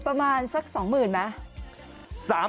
ประมาณสัก๒๐๐๐ไหม